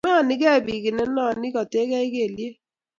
mayanikei piik ineno ikotekei kelyek